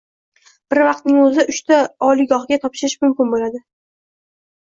Bir vaqtning oʻzida uchta ta oliygohga topshirish mumkin boʻladi.